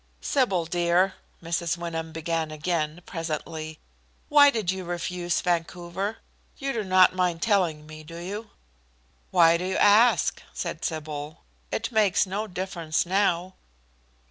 "Sybil, dear," Mrs. Wyndham began again, presently, "why did you refuse Vancouver? You do not mind telling me, do you?" "Why do you ask?" said Sybil. "It makes no difference now."